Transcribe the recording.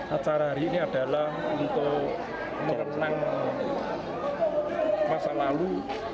acara hari ini adalah untuk berenang masa lalu